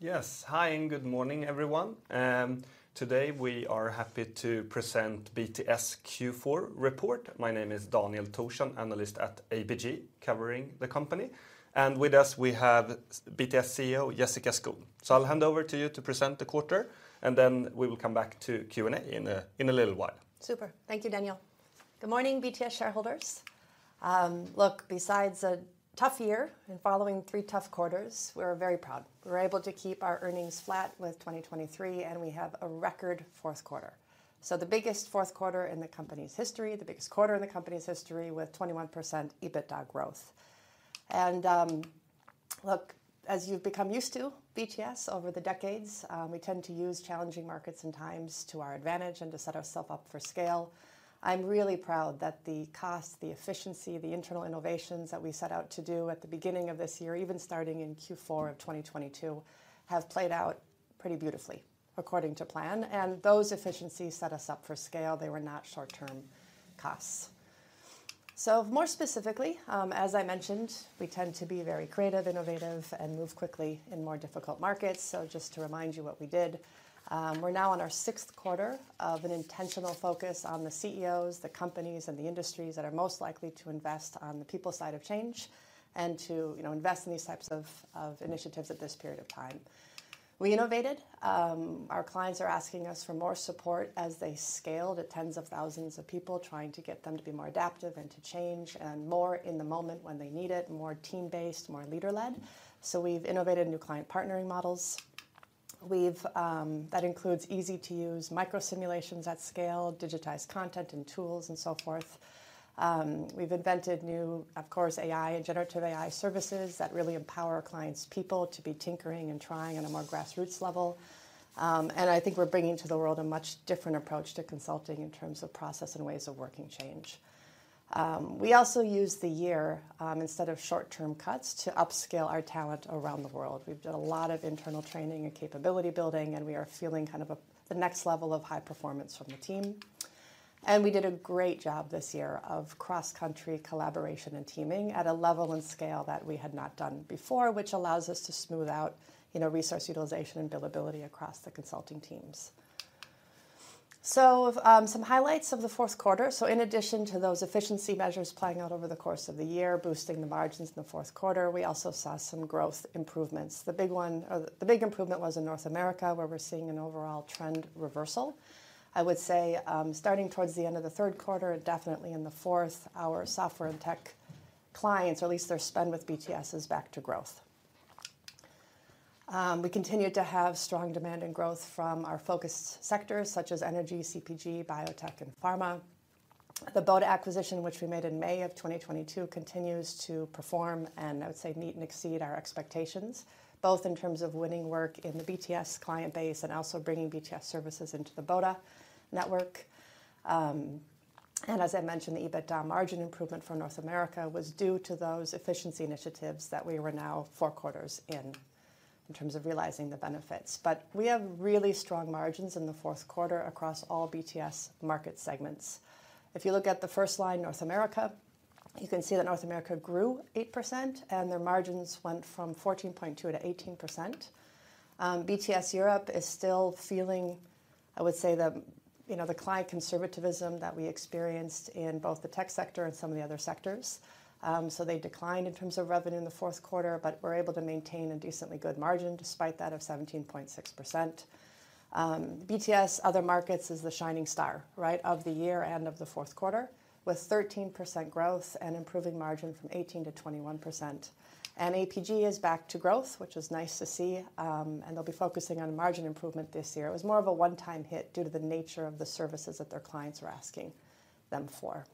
Yes, hi and good morning, everyone. Today we are happy to present BTS Q4 report. My name is Daniel Thorsson, analyst at ABG covering the company, and with us we have BTS CEO Jessica Skon. So I'll hand over to you to present the quarter, and then we will come back to Q&A in a little while. Super, thank you, Daniel. Good morning, BTS shareholders. Look, besides a tough year and following three tough quarters, we're very proud. We were able to keep our earnings flat with 2023, and we have a record fourth quarter. The biggest fourth quarter in the company's history, the biggest quarter in the company's history with 21% EBITDA growth. And, look, as you've become used to, BTS, over the decades, we tend to use challenging markets and times to our advantage and to set ourselves up for scale. I'm really proud that the costs, the efficiency, the internal innovations that we set out to do at the beginning of this year, even starting in Q4 of 2022, have played out pretty beautifully, according to plan. And those efficiencies set us up for scale. They were not short-term costs. So more specifically, as I mentioned, we tend to be very creative, innovative, and move quickly in more difficult markets. So just to remind you what we did, we're now on our sixth quarter of an intentional focus on the CEOs, the companies, and the industries that are most likely to invest on the people side of change and to, you know, invest in these types of initiatives at this period of time. We innovated. Our clients are asking us for more support as they scaled at tens of thousands of people, trying to get them to be more adaptive and to change and more in the moment when they need it, more team-based, more leader-led. So we've innovated new client partnering models. We've, that includes easy-to-use micro-simulations at scale, digitized content and tools, and so forth. We've invented new, of course, AI and generative AI services that really empower our clients' people to be tinkering and trying on a more grassroots level. I think we're bringing to the world a much different approach to consulting in terms of process and ways of working change. We also used this year, instead of short-term cuts, to upskill our talent around the world. We've done a lot of internal training and capability building, and we are feeling kind of at the next level of high performance from the team. We did a great job this year of cross-country collaboration and teaming at a level and scale that we had not done before, which allows us to smooth out, you know, resource utilization and billability across the consulting teams. So, some highlights of the fourth quarter. So in addition to those efficiency measures playing out over the course of the year, boosting the margins in the fourth quarter, we also saw some growth improvements. The big one or the big improvement was in North America, where we're seeing an overall trend reversal. I would say, starting towards the end of the third quarter and definitely in the fourth, our software and tech clients, or at least their spend with BTS, is back to growth. We continued to have strong demand and growth from our focused sectors such as energy, CPG, biotech, and pharma. The Boda acquisition, which we made in May of 2022, continues to perform and, I would say, meet and exceed our expectations, both in terms of winning work in the BTS client base and also bringing BTS services into the Boda network. As I mentioned, the EBITDA margin improvement for North America was due to those efficiency initiatives that we were now four quarters in in terms of realizing the benefits. We have really strong margins in the fourth quarter across all BTS market segments. If you look at the first line, North America, you can see that North America grew 8%, and their margins went from 14.2%-18%. BTS Europe is still feeling, I would say, the, you know, the client conservativism that we experienced in both the tech sector and some of the other sectors. They declined in terms of revenue in the fourth quarter, but were able to maintain a decently good margin despite that of 17.6%. BTS Other Markets is the shining star, right, of the year and of the fourth quarter, with 13% growth and improving margin from 18%-21%. APG is back to growth, which is nice to see, and they'll be focusing on margin improvement this year. It was more of a one-time hit due to the nature of the services that their clients were asking them for.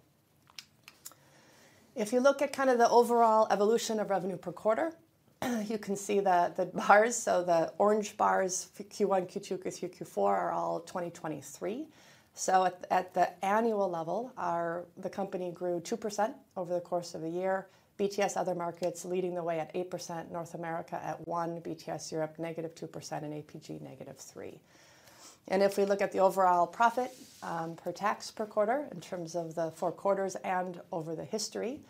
If you look at kind of the overall evolution of revenue per quarter, you can see the bars. So the orange bars, Q1, Q2, Q3, Q4, are all 2023. So at the annual level, the company grew 2% over the course of a year, BTS other markets leading the way at 8%, North America at 1%, BTS Europe -2%, and APG -3%. And if we look at the overall pre-tax profit per quarter in terms of the four quarters and over the history,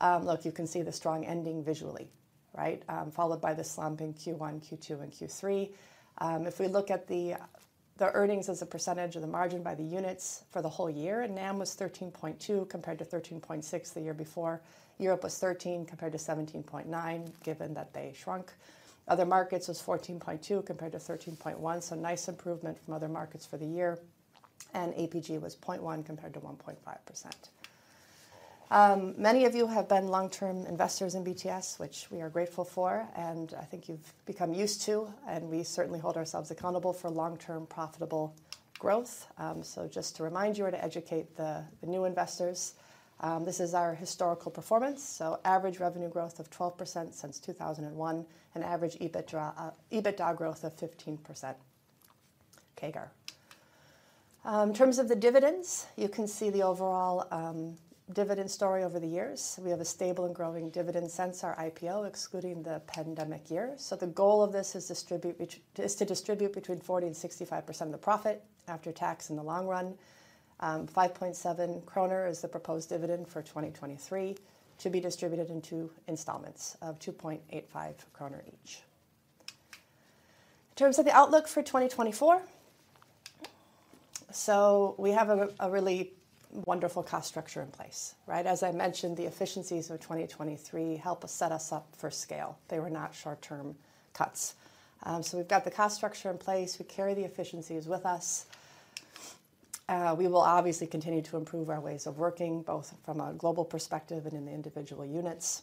look, you can see the strong ending visually, right, followed by the slump in Q1, Q2, and Q3. If we look at the earnings as a percentage of the margin by the units for the whole year, NAM was 13.2% compared to 13.6% the year before. Europe was 13% compared to 17.9%, given that they shrunk. Other markets was 14.2% compared to 13.1%, so nice improvement from other markets for the year. APG was 0.1% compared to 1.5%. Many of you have been long-term investors in BTS, which we are grateful for, and I think you've become used to, and we certainly hold ourselves accountable for long-term profitable growth. Just to remind you or to educate the new investors, this is our historical performance. Average revenue growth of 12% since 2001 and average EBITDA growth of 15%. CAGR. In terms of the dividends, you can see the overall dividend story over the years. We have a stable and growing dividend since our IPO, excluding the pandemic year. The goal of this is to distribute between 40% and 65% of the profit after tax in the long run. 5.7 kronor is the proposed dividend for 2023 to be distributed in two installments of 2.85 kronor each. In terms of the outlook for 2024, so we have a really wonderful cost structure in place, right? As I mentioned, the efficiencies of 2023 help us set us up for scale. They were not short-term cuts. So we've got the cost structure in place. We carry the efficiencies with us. We will obviously continue to improve our ways of working, both from a global perspective and in the individual units.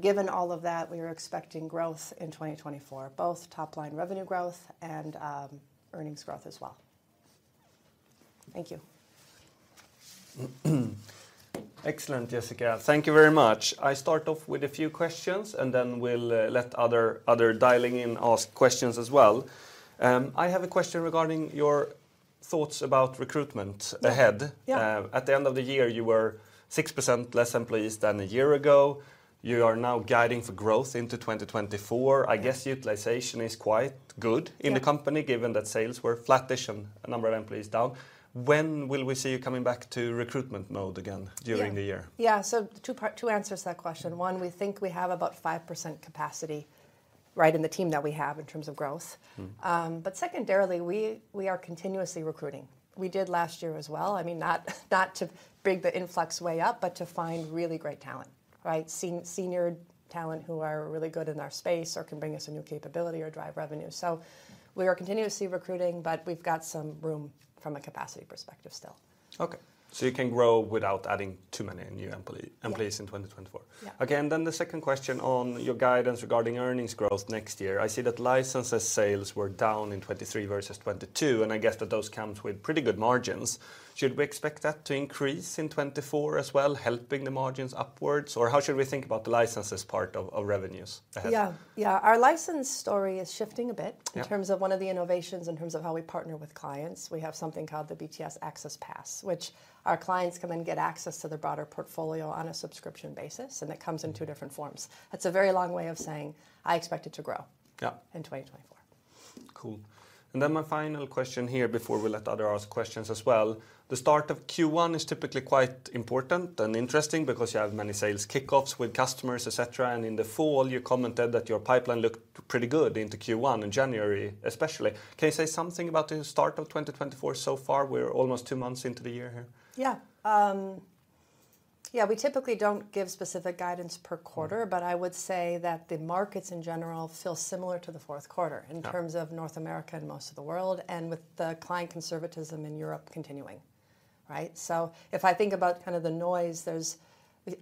Given all of that, we are expecting growth in 2024, both top-line revenue growth and earnings growth as well. Thank you. Excellent, Jessica. Thank you very much. I start off with a few questions, and then we'll let other dialing in ask questions as well. I have a question regarding your thoughts about recruitment ahead. Yeah. At the end of the year, you were 6% less employees than a year ago. You are now guiding for growth into 2024. I guess utilization is quite good in the company, given that sales were flattish and a number of employees down. When will we see you coming back to recruitment mode again during the year? Yeah. Yeah, so two part two answers to that question. One, we think we have about 5% capacity, right, in the team that we have in terms of growth. But secondarily, we, we are continuously recruiting. We did last year as well. I mean, not, not to bring the influx way up, but to find really great talent, right, senior talent who are really good in our space or can bring us a new capability or drive revenue. So we are continuously recruiting, but we've got some room from a capacity perspective still. Okay. So you can grow without adding too many new employees in 2024. Yeah. Okay. Then the second question on your guidance regarding earnings growth next year. I see that licenses sales were down in 2023 versus 2022, and I guess that those come with pretty good margins. Should we expect that to increase in 2024 as well, helping the margins upwards, or how should we think about the licenses part of revenues ahead? Yeah. Yeah, our license story is shifting a bit in terms of one of the innovations in terms of how we partner with clients. We have something called the BTS Access Pass, which our clients can then get access to their broader portfolio on a subscription basis, and it comes in two different forms. That's a very long way of saying, "I expect it to grow in 2024. Yeah. Cool. And then my final question here before we let others ask questions as well. The start of Q1 is typically quite important and interesting because you have many sales kickoffs with customers, etc., and in the fall, you commented that your pipeline looked pretty good into Q1, in January especially. Can you say something about the start of 2024 so far? We're almost two months into the year here. Yeah. Yeah, we typically don't give specific guidance per quarter, but I would say that the markets in general feel similar to the fourth quarter in terms of North America and most of the world, and with the client conservatism in Europe continuing, right? So if I think about kind of the noise, there,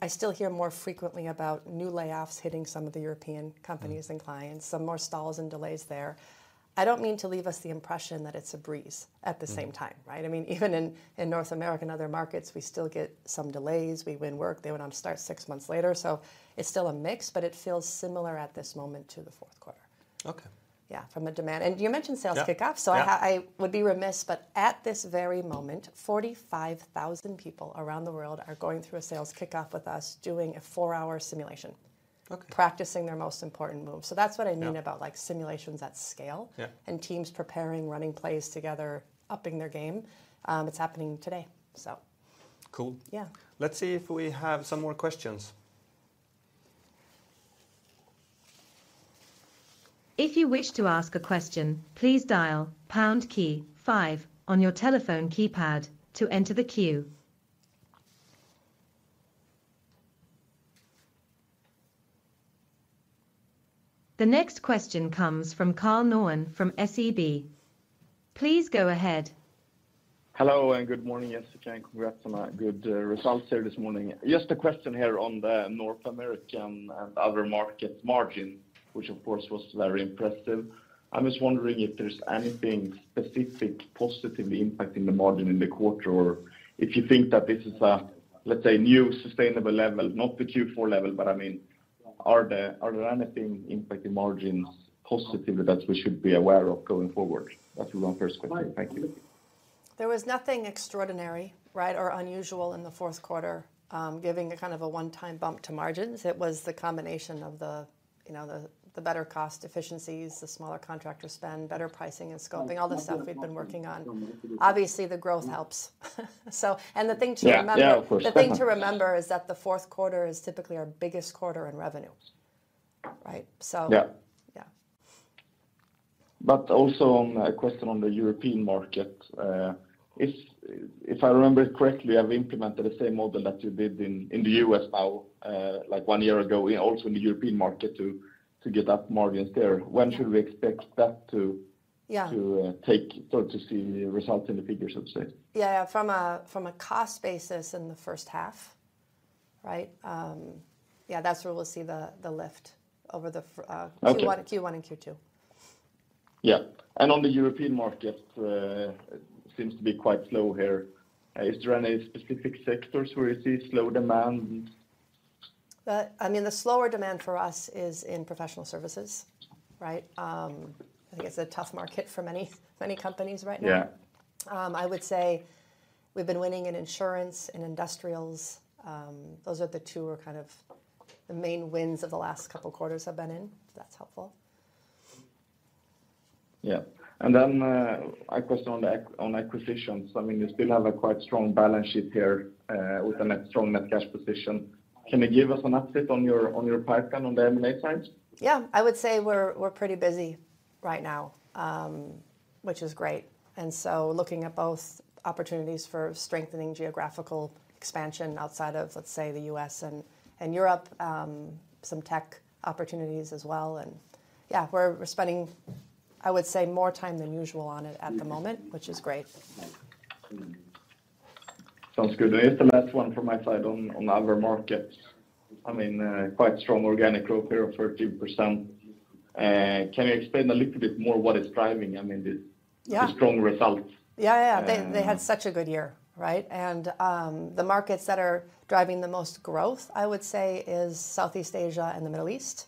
I still hear more frequently about new layoffs hitting some of the European companies and clients, some more stalls and delays there. I don't mean to leave the impression that it's a breeze at the same time, right? I mean, even in North America and other markets, we still get some delays. We win work. They won't start six months later. So it's still a mix, but it feels similar at this moment to the fourth quarter. Okay. Yeah, from a demand. And you mentioned sales kickoffs, so I would be remiss, but at this very moment, 45,000 people around the world are going through a sales kickoff with us doing a four-hour simulation, practicing their most important moves. So that's what I mean about, like, simulations at scale and teams preparing, running plays together, upping their game. It's happening today, so. Cool. Yeah. Let's see if we have some more questions. If you wish to ask a question, please dial pound key five on your telephone keypad to enter the queue. The next question comes from Karl Norén from SEB. Please go ahead. Hello, and good morning, Jessica. Congrats on a good result here this morning. Just a question here on the North America and Other Markets margin, which of course was very impressive. I'm just wondering if there's anything specific positively impacting the margin in the quarter, or if you think that this is a, let's say, new sustainable level, not the Q4 level, but I mean, are there anything impacting margins positively that we should be aware of going forward? That's my first question. Thank you. There was nothing extraordinary, right, or unusual in the fourth quarter, giving a kind of a one-time bump to margins. It was the combination of the, you know, better cost efficiencies, the smaller contractor spend, better pricing and scoping, all the stuff we've been working on. Obviously, the growth helps. So and the thing to remember. Yeah, yeah, of course. The thing to remember is that the fourth quarter is typically our biggest quarter in revenue, right? So. Yeah. Yeah. But also, on a question on the European market, if I remember it correctly, I've implemented the same model that you did in the U.S. now, like one year ago, also in the European market to get up margins there. When should we expect that to? Yeah. To take sort of to see results in the figures, I would say? Yeah, from a cost basis in the first half, right? Yeah, that's where we'll see the lift over the Q1 and Q2. Yeah. And on the European market, it seems to be quite slow here. Is there any specific sectors where you see slow demand? I mean, the slower demand for us is in professional services, right? I think it's a tough market for many, many companies right now. Yeah. I would say we've been winning in insurance and industrials. Those are the two where kind of the main wins of the last couple quarters have been in, if that's helpful. Yeah. And then, a question on the acquisitions. I mean, you still have a quite strong balance sheet here, with a strong net cash position. Can you give us an update on your pipeline on the M&A side? Yeah. I would say we're, we're pretty busy right now, which is great. And so looking at both opportunities for strengthening geographical expansion outside of, let's say, the U.S. and, and Europe, some tech opportunities as well. And yeah, we're, we're spending, I would say, more time than usual on it at the moment, which is great. Sounds good. Just the last one from my side on other markets. I mean, quite strong organic growth here of 13%. Can you explain a little bit more what is driving, I mean, the strong results? Yeah, yeah, yeah. They, they had such a good year, right? The markets that are driving the most growth, I would say, is Southeast Asia and the Middle East.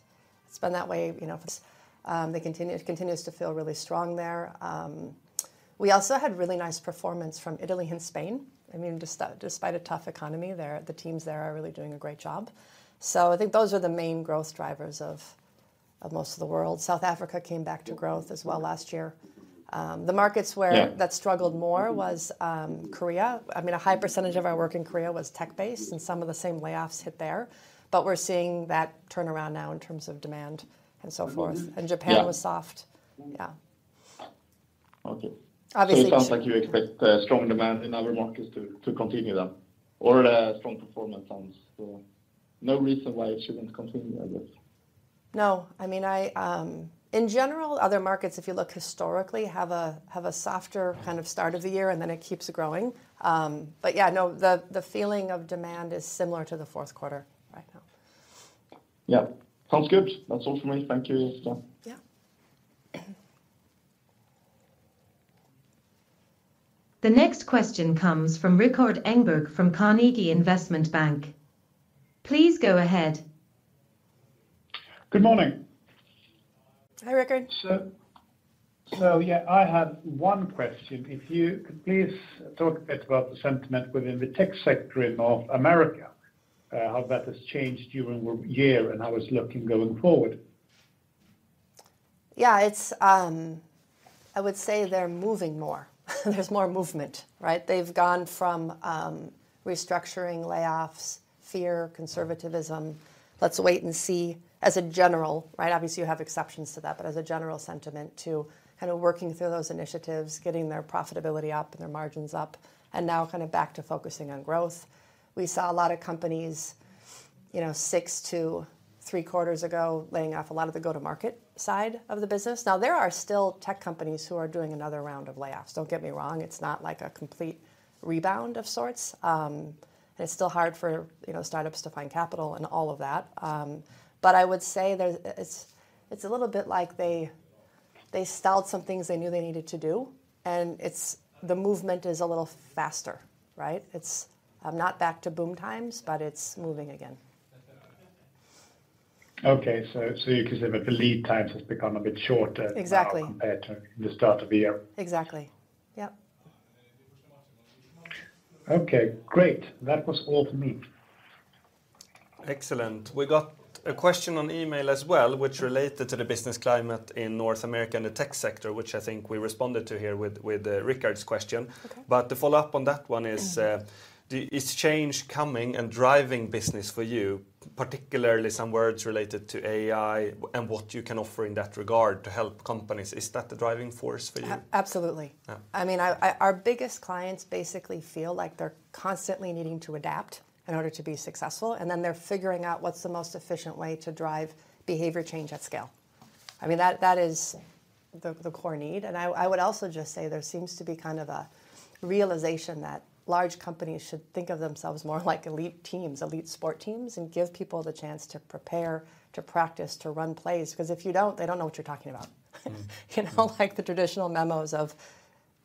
It's been that way, you know. It continues to feel really strong there. We also had really nice performance from Italy and Spain. I mean, despite a tough economy there, the teams there are really doing a great job. So I think those are the main growth drivers of most of the world. South Africa came back to growth as well last year. The markets where that struggled more was Korea. I mean, a high percentage of our work in Korea was tech-based, and some of the same layoffs hit there. But we're seeing that turnaround now in terms of demand and so forth. Japan was soft. Yeah. Okay. Obviously. It sounds like you expect strong demand in other markets to continue then, or strong performance sounds. So no reason why it shouldn't continue, I guess. No. I mean, in general, other markets, if you look historically, have a softer kind of start of the year, and then it keeps growing. But yeah, no, the feeling of demand is similar to the fourth quarter right now. Yeah. Sounds good. That's all from me. Thank you, Jessica. Yeah. The next question comes from Rikard Engberg from Carnegie Investment Bank. Please go ahead. Good morning. Hi, Rikard. So yeah, I have one question. If you could please talk a bit about the sentiment within the tech sector in North America, how that has changed during the year and how it's looking going forward. Yeah, it's. I would say they're moving more. There's more movement, right? They've gone from restructuring, layoffs, fear, conservatism. Let's wait and see. As a general, right, obviously you have exceptions to that, but as a general sentiment to kind of working through those initiatives, getting their profitability up and their margins up, and now kind of back to focusing on growth. We saw a lot of companies, you know, six to three quarters ago laying off a lot of the go-to-market side of the business. Now, there are still tech companies who are doing another round of layoffs. Don't get me wrong. It's not like a complete rebound of sorts. And it's still hard for, you know, startups to find capital and all of that. But I would say there's, it's a little bit like they stalled some things they knew they needed to do, and it's the movement is a little faster, right? It's not back to boom times, but it's moving again. Okay. So you could say that the lead time has become a bit shorter now compared to the start of the year. Exactly. Exactly. Yep. Okay. Great. That was all from me. Excellent. We got a question on email as well, which related to the business climate in North America and the tech sector, which I think we responded to here with Rikard's question. But to follow up on that one, is change coming and driving business for you, particularly some words related to AI and what you can offer in that regard to help companies? Is that the driving force for you? Absolutely. I mean, our biggest clients basically feel like they're constantly needing to adapt in order to be successful, and then they're figuring out what's the most efficient way to drive behavior change at scale. I mean, that is the core need. And I would also just say there seems to be kind of a realization that large companies should think of themselves more like elite teams, elite sport teams, and give people the chance to prepare, to practice, to run plays. Because if you don't, they don't know what you're talking about. You know, like the traditional memos of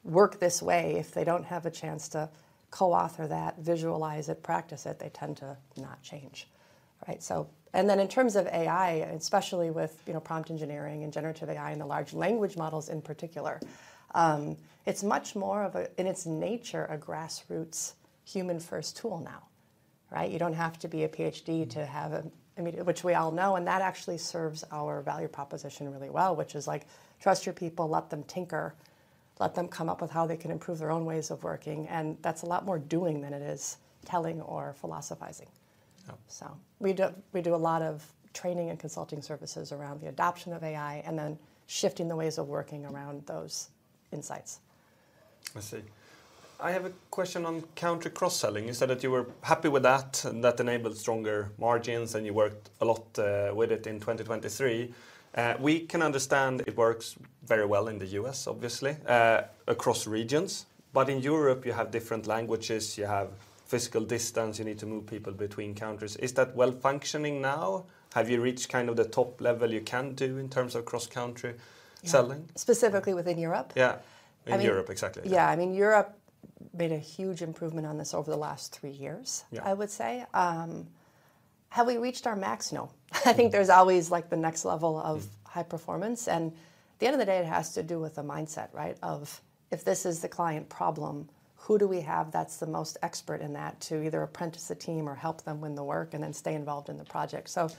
work this way, if they don't have a chance to co-author that, visualize it, practice it, they tend to not change, right? And then in terms of AI, especially with, you know, prompt engineering and generative AI and the large language models in particular, it's much more of a, in its nature, a grassroots human-first tool now, right? You don't have to be a Ph.D. to have a, I mean, which we all know, and that actually serves our value proposition really well, which is like, trust your people, let them tinker, let them come up with how they can improve their own ways of working. And that's a lot more doing than it is telling or philosophizing. So we do a lot of training and consulting services around the adoption of AI and then shifting the ways of working around those insights. I see. I have a question on cross-selling. You said that you were happy with that, and that enabled stronger margins, and you worked a lot with it in 2023. We can understand it works very well in the US, obviously, across regions. But in Europe, you have different languages. You have physical distance. You need to move people between countries. Is that well-functioning now? Have you reached kind of the top level you can do in terms of cross-country selling? Specifically within Europe? Yeah. In Europe, exactly. Yeah. I mean, Europe made a huge improvement on this over the last three years, I would say. Have we reached our max? No. I think there's always, like, the next level of high performance. And at the end of the day, it has to do with the mindset, right, of if this is the client problem, who do we have that's the most expert in that to either apprentice a team or help them win the work and then stay involved in the project? So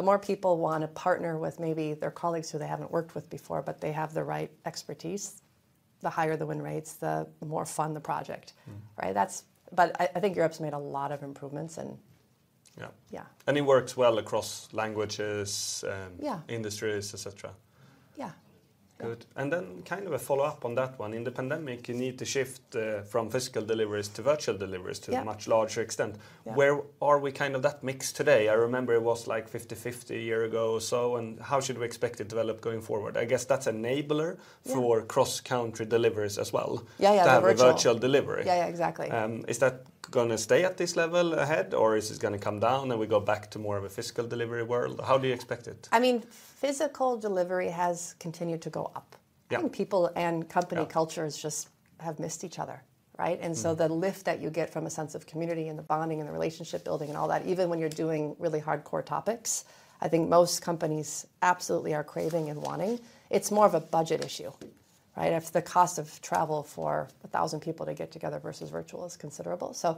the more people want to partner with maybe their colleagues who they haven't worked with before, but they have the right expertise, the higher the win rates, the more fun the project, right? That's but I, I think Europe's made a lot of improvements, and. Yeah. Yeah. It works well across languages and industries, etc. Yeah. Good. Then kind of a follow-up on that one. In the pandemic, you need to shift, from physical deliveries to virtual deliveries to a much larger extent. Where are we kind of that mix today? I remember it was like 50/50 a year ago or so. How should we expect it to develop going forward? I guess that's an enabler for cross-country deliveries as well. Yeah, yeah, the virtual. The virtual delivery. Yeah, yeah, exactly. Is that going to stay at this level ahead, or is it going to come down and we go back to more of a physical delivery world? How do you expect it? I mean, physical delivery has continued to go up. I think people and company cultures just have missed each other, right? And so the lift that you get from a sense of community and the bonding and the relationship building and all that, even when you're doing really hardcore topics, I think most companies absolutely are craving and wanting. It's more of a budget issue, right? The cost of travel for 1,000 people to get together versus virtual is considerable. So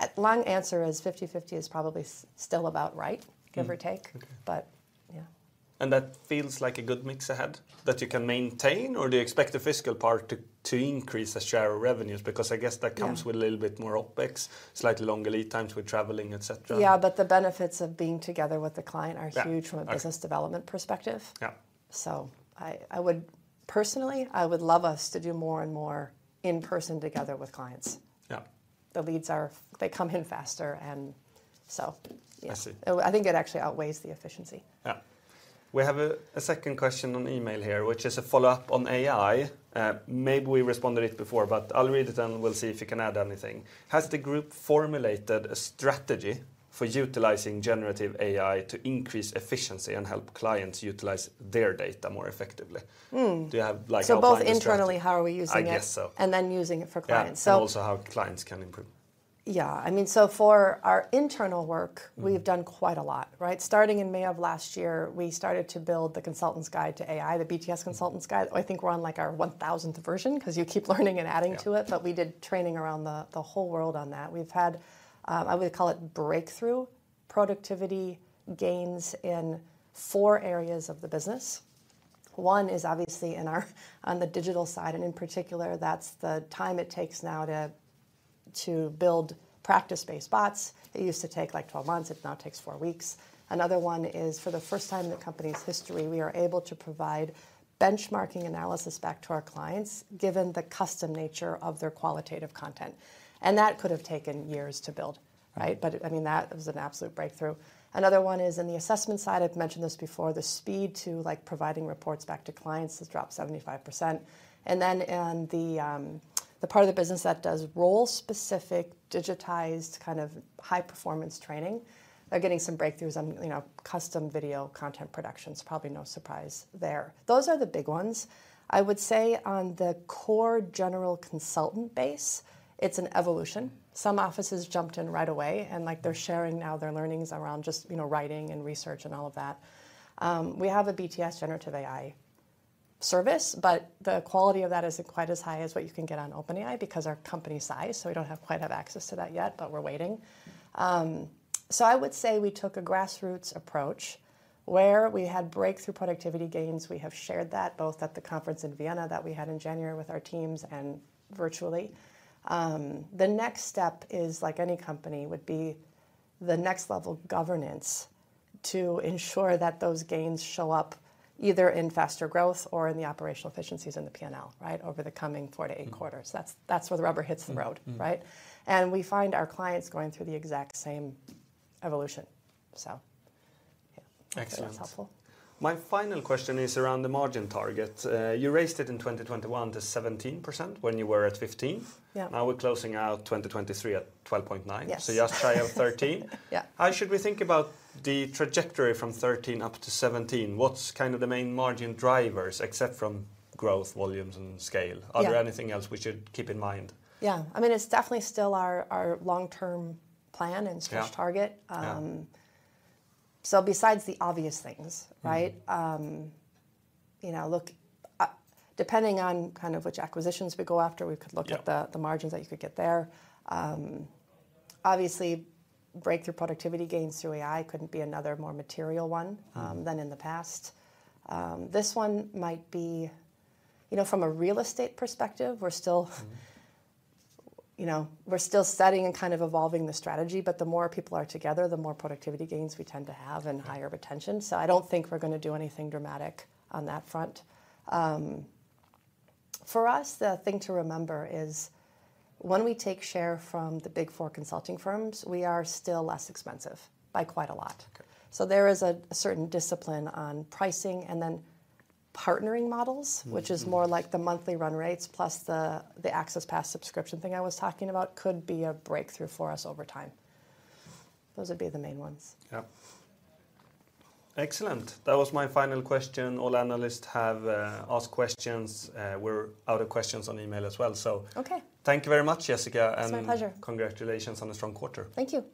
the long answer is 50/50 is probably still about right, give or take. But yeah. That feels like a good mix ahead that you can maintain, or do you expect the physical part to increase as share of revenues? Because I guess that comes with a little bit more OpEx, slightly longer lead times with traveling, etc. Yeah, but the benefits of being together with the client are huge from a business development perspective. So I, I would personally, I would love us to do more and more in-person together with clients. The leads are they come in faster, and so yeah. I think it actually outweighs the efficiency. Yeah. We have a second question on email here, which is a follow-up on AI. Maybe we responded to it before, but I'll read it and we'll see if you can add anything. Has the group formulated a strategy for utilizing generative AI to increase efficiency and help clients utilize their data more effectively? Do you have like a plan? So both internally, how are we using it? I guess so. And then using it for clients. So. Yeah, and also how clients can improve. Yeah. I mean, so for our internal work, we've done quite a lot, right? Starting in May of last year, we started to build the consultants guide to AI, the BTS consultants guide. I think we're on like our 1,000th version because you keep learning and adding to it, but we did training around the whole world on that. We've had, I would call it breakthrough productivity gains in four areas of the business. One is obviously in our on the digital side, and in particular, that's the time it takes now to build practice-based bots. It used to take like 12 months. It now takes four weeks. Another one is for the first time in the company's history, we are able to provide benchmarking analysis back to our clients given the custom nature of their qualitative content. And that could have taken years to build, right? But I mean, that was an absolute breakthrough. Another one is in the assessment side. I've mentioned this before. The speed to, like, providing reports back to clients has dropped 75%. And then in the, the part of the business that does role-specific digitized kind of high-performance training, they're getting some breakthroughs on, you know, custom video content production. It's probably no surprise there. Those are the big ones. I would say on the core general consultant base, it's an evolution. Some offices jumped in right away, and like, they're sharing now their learnings around just, you know, writing and research and all of that. We have a BTS generative AI service, but the quality of that isn't quite as high as what you can get on OpenAI because our company's size. So we don't quite have access to that yet, but we're waiting. So I would say we took a grassroots approach where we had breakthrough productivity gains. We have shared that both at the conference in Vienna that we had in January with our teams and virtually. The next step is, like any company, would be the next level governance to ensure that those gains show up either in faster growth or in the operational efficiencies in the P&L, right, over the coming four to eight quarters. That's, that's where the rubber hits the road, right? And we find our clients going through the exact same evolution. So yeah. Excellent. My final question is around the margin target. You raised it in 2021 to 17% when you were at 15%. Now we're closing out 2023 at 12.9%. So you have to try out 13%. How should we think about the trajectory from 13% up to 17%? What's kind of the main margin drivers except from growth volumes and scale? Are there anything else we should keep in mind? Yeah. I mean, it's definitely still our long-term plan and stretch target. So besides the obvious things, right? You know, look, depending on kind of which acquisitions we go after, we could look at the margins that you could get there. Obviously, breakthrough productivity gains through AI couldn't be another more material one than in the past. This one might be, you know, from a real estate perspective, we're still setting and kind of evolving the strategy. But the more people are together, the more productivity gains we tend to have and higher retention. So I don't think we're going to do anything dramatic on that front. For us, the thing to remember is when we take share from the Big Four consulting firms, we are still less expensive by quite a lot. So there is a certain discipline on pricing and then partnering models, which is more like the monthly run rates plus the Access Pass subscription thing I was talking about could be a breakthrough for us over time. Those would be the main ones. Yep. Excellent. That was my final question. All analysts have asked questions. We're out of questions on email as well. So thank you very much, Jessica. It's my pleasure. Congratulations on a strong quarter. Thank you.